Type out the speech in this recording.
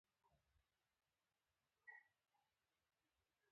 د قلم نیولو اصول زده کړه غواړي.